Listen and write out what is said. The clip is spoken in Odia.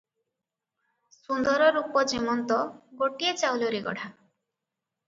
ସୁନ୍ଦର ରୂପ ଯେମନ୍ତ ଗୋଟିଏ ଚାଉଳରେ ଗଢ଼ା ।